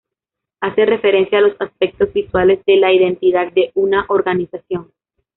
Hace referencia a los aspectos visuales de la identidad de una organización.